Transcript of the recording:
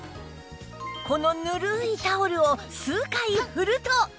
このぬるいタオルを数回振ると